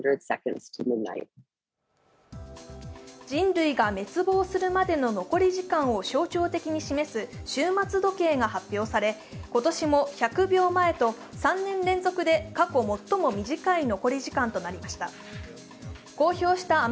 人類が滅亡するまでの残り時間を象徴的に示す終末時計が発表され今年も１００秒前と３年連続で過去最も短い残り時間となりました。